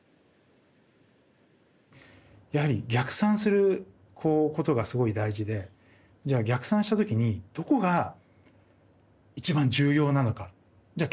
やはり逆算することがすごい大事でじゃあ逆算した時にどこが一番重要なのか。